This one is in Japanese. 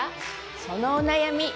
そのお悩み